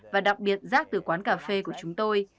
và đặc biệt rác từ quán cà phê của chúng tôi